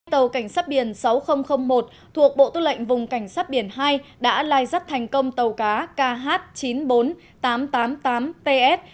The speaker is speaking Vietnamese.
tàu cảnh sát biển sáu nghìn một thuộc bộ tư lệnh vùng cảnh sát biển hai đã lai dắt thành công tàu cá kh chín mươi bốn nghìn tám trăm tám mươi tám ts